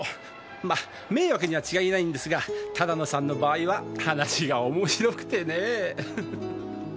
まっ迷惑には違いないんですがタダノさんの場合は話が面白くてねぇ。